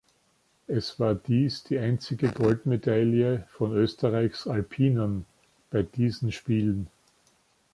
Es war dies die einzige Goldmedaille von Österreichs Alpinen bei diesen Spielen.